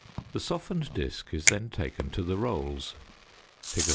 The softened disc is then taken to the rolls (Fig.